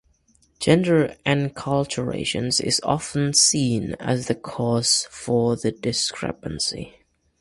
Gender enculturation is often seen as the cause for the discrepancy.